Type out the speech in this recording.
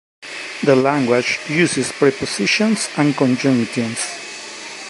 The language uses prepositions and conjunctions.